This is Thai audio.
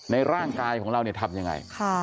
ในร่างกายของเราเนี่ยทำยังไง